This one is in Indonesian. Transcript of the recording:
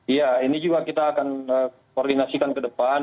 iya ini juga kita akan koordinasikan ke depan